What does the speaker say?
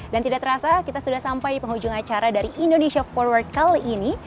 dan tidak terasa kita sudah sampai di penghujung acara dari indonesia forward kali ini